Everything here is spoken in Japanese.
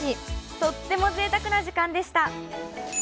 とってもぜいたくな時間でした。